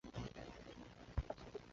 这时它们可以产卵及排精。